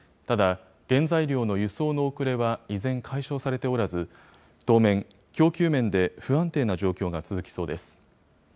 ただ、原材料の輸送の遅れは依然解消されておらず、当面、供給面で不安定な状況が続きそうです。